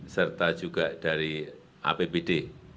serta juga dari apbd